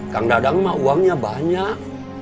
kang dadang mah uangnya banyak